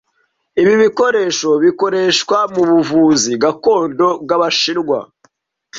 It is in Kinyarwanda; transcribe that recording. Ibi bikoresho bikoreshwa mubuvuzi gakondo bwabashinwa.